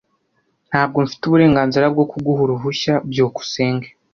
Ntabwo mfite uburenganzira bwo kuguha uruhushya. byukusenge